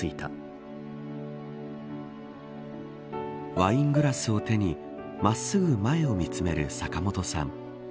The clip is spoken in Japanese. ワイングラスを手に真っすぐ前を見つめる坂本さん。